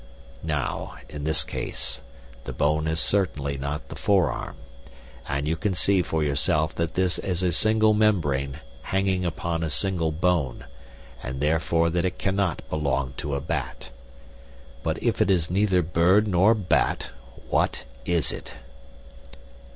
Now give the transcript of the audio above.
Now, in this case, the bone is certainly not the forearm, and you can see for yourself that this is a single membrane hanging upon a single bone, and therefore that it cannot belong to a bat. But if it is neither bird nor bat, what is it?"